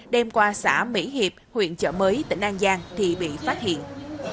đem qua xã mỹ hiệp huyện chợ mới tỉnh an giang thì bị phát hiện